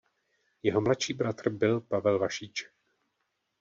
Jeho mladší bratr byl Pavel Vašíček.